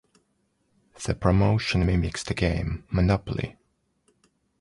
The promotion mimics the game "Monopoly".